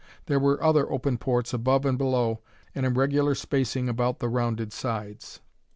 There were other open ports above and below and in regular spacing about the rounded sides.